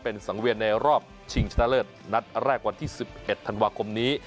เป็นสังเวียนในรอบชิงชนะเลิศนัดแรกวันที่๑๑ธันวาคมนี้